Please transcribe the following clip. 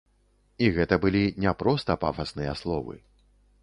І гэта былі не проста пафасныя словы.